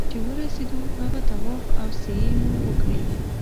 چې ورسېدو هغه طواف او سعيې مو وکړې.